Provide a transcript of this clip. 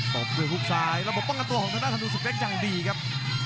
บด้วยฮุกซ้ายระบบป้องกันตัวของธนาธนูศึกเล็กอย่างดีครับ